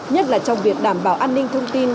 nhất là trong việc đảm bảo an ninh thông tin